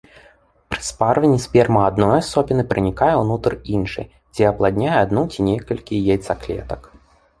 Пры спарванні сперма адной асобіны пранікае ўнутр іншай, дзе апладняе адну ці некалькі яйцаклетак.